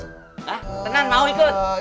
hah tenang mau ikut